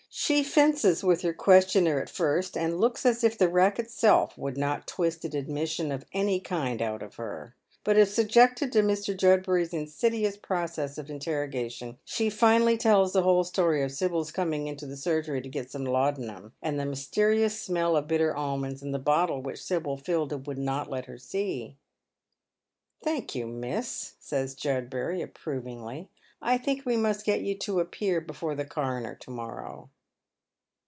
She fences Avith her questioner at first, and looks as if the rack itself would not twist an admission of any kind cut of her ; but subjected to Mr. Judbuiy's insidious process of interrogation, she finally tells the whole story of Sibyl's coming into the sur gery to get some laudanum, and the mysteiious smell of bitter almonds, and the bottle which Sibyl filled and would not let her see. " Thank you, miss," says Judbury, approvingly. " I think w« ttiust get you <o appear before the coroner to morrow."